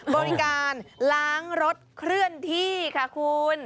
บริการล้างรถเคลื่อนที่ค่ะคุณ